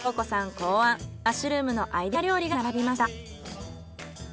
考案マッシュルームのアイデア料理が並びました。